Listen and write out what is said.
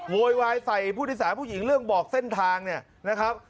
โวยวายใส่ผู้โดยสารผู้หญิงเรื่องบอกเส้นทางเนี่ยนะครับ